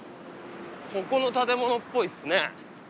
ここの建物っぽいっすね。